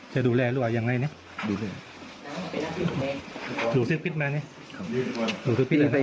จะดูแลรัวอย่างไรเนี้ยดูแลดูสิทธิ์พิษมาเนี้ยครับดูสิทธิ์พิษมาเนี้ย